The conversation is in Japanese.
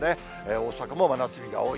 大阪も真夏日が多い。